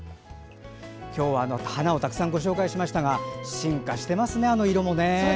今日は花をたくさんご紹介しましたが進化してますね、あの色もね。